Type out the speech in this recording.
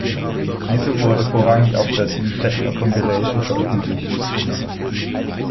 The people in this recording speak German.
Diese wurde vorrangig auf der D-Techno-Compilation veröffentlicht.